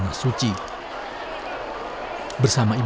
di luar ruangan masjid